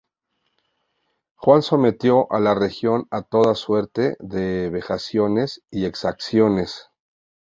Juan sometió a la región a toda suerte de vejaciones y exacciones.